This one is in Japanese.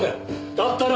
だったら。